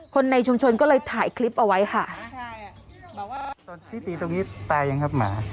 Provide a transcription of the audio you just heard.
คนในชุมชนก็เลยถ่ายคลิปเอาไว้ค่ะใช่บอกว่าตอนที่ตีตรงนี้ตายยังครับหมา